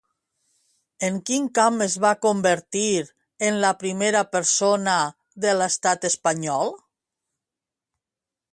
En quin camp es va convertir en la primera persona de l'estat espanyol?